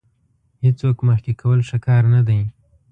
هېڅوک مخکې کول ښه کار نه دی.